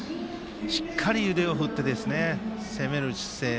しっかり腕を振って攻める姿勢。